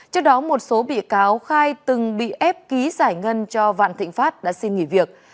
trước đó một số bị cáo khai từng bị ép ký giải ngân cho vạn thịnh pháp đã xin nghỉ việc